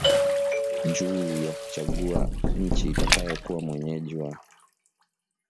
juu ya kuchagua nchi itakayokuwa mwenyeji wa